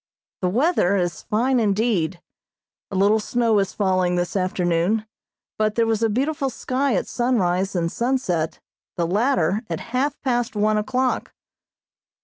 The weather is fine indeed. A little snow is falling this afternoon, but there was a beautiful sky at sunrise and sunset, the latter at half past one o'clock.